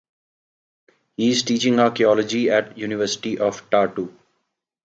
He is teaching archeology at University of Tartu.